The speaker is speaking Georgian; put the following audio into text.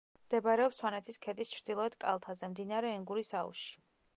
მდებარეობს სვანეთის ქედის ჩრდილოეთ კალთაზე, მდინარე ენგურის აუზში.